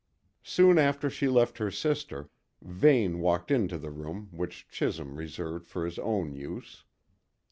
Soon after she left her sister, Vane walked into the room which Chisholm reserved for his own use.